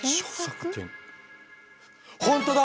本当だ！